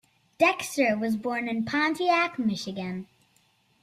Dexter was born in Pontiac, Michigan.